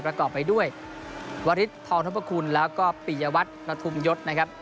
ประกอบไปด้วยวริสทองทบคุณแล้วก็ปิยวัตรประทุมยศนะครับ